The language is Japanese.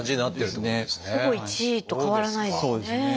ほぼ１位と変わらないですね。